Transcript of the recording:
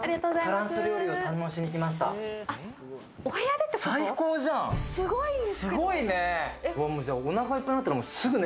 すごいね！